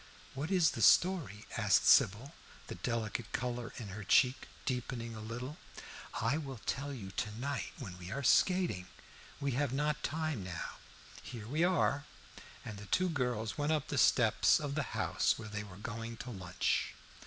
"What is the story?" asked Sybil, the delicate color in her cheek deepening a little. "I will tell you to night when we are skating, we have not time now. Here we are." And the two girls went up the steps of the house where they were going to lunch.